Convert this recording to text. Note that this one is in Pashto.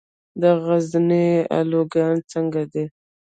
د غزني الوګان څنګه دي؟